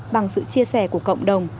bằng sự chia sẻ của cộng đồng